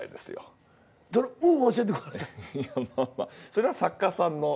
それは作家さんの。